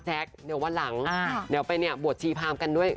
แจ๊คหลังบวชชีพาล์มกันด้วย